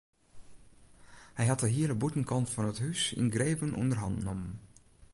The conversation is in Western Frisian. Hy hat de hiele bûtenkant fan it hús yngreven ûnder hannen nommen.